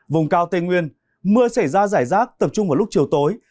vùng cao tây nguyên mưa xảy ra giải rác tập trung vào lúc chiều tối